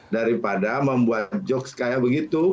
daripada membuat jokes kayak begitu